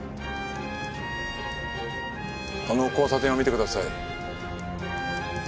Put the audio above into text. あの交差点を見てください。